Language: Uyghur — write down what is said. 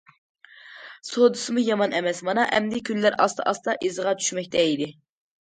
سودىسىمۇ يامان ئەمەس، مانا ئەمدى كۈنلەر ئاستا- ئاستا ئىزىغا چۈشمەكتە ئىدى.